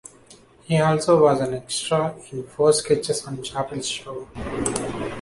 He also was an extra in four sketches on "Chappelle's Show".